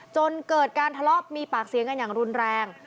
จนเกิดการทะเลาะมีปากเสียงกันอย่างรุนแรง